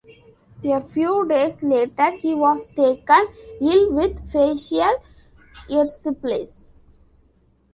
A few days later, he was taken ill with facial erysipelas.